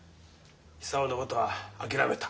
久男のことは諦めた。